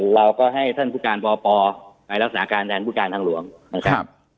เราก็ให้ท่านผู้การปปไปรักษาการแทนผู้การทางหลวงนะครับ